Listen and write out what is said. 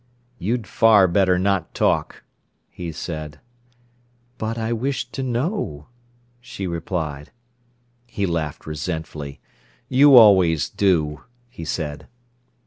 "You'd far better not talk," he said. "But I wish to know—" she replied. He laughed resentfully. "You always do," he said.